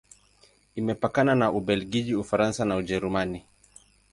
Imepakana na Ubelgiji, Ufaransa na Ujerumani.